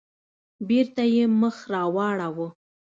بېرته يې مخ راواړاوه.